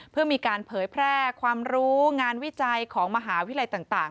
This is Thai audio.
เพื่อมีการเผยแพร่ความรู้งานวิจัยของมหาวิทยาลัยต่าง